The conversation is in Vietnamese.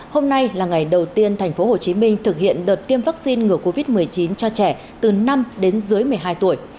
hôm nay là ngày đầu tiên tp hcm thực hiện đợt tiêm vaccine ngừa covid một mươi chín cho trẻ từ năm đến dưới một mươi hai tuổi